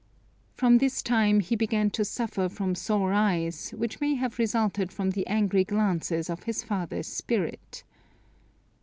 From this time he began to suffer from sore eyes, which may have resulted from the angry glances of his father's spirit.